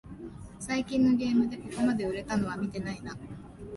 最近のゲームでここまで売れたのは見てないな